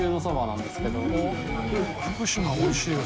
福島おいしいよ